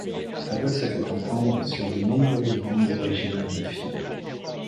Sa voix se fait entendre sur de nombreuses bandes originales de films.